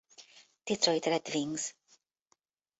Detroit Red Wings.